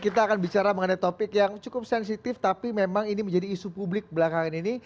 kita akan bicara mengenai topik yang cukup sensitif tapi memang ini menjadi isu publik belakangan ini